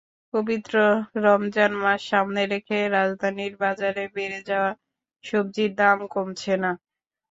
পবিত্র রমজান মাস সামনে রেখে রাজধানীর বাজারে বেড়ে যাওয়া সবজির দাম কমছে না।